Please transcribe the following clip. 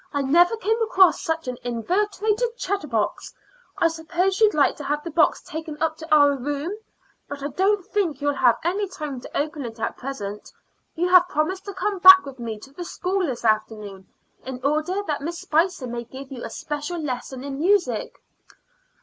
"I never came across such an inveterate chatterbox. I suppose you'd like to have the box taken up to our room; but I don't think you'll have any time to open it at present. You have promised to come back with me to the school this afternoon, in order that Miss Spicer may give you a special lesson in music."